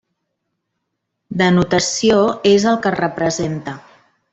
Denotació és el que es representa.